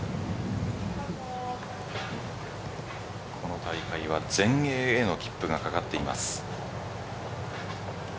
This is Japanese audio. この大会は全英への切符が懸かっています。